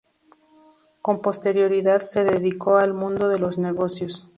Con posterioridad se dedicó al mundo de los negocios.